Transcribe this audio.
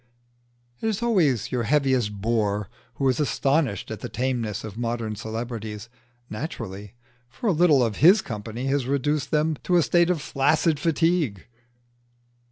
It is always your heaviest bore who is astonished at the tameness of modern celebrities: naturally; for a little of his company has reduced them to a state of flaccid fatigue.